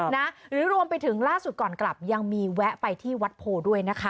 หรือรวมไปถึงล่าสุดก่อนกลับยังมีแวะไปที่วัดโพด้วยนะคะ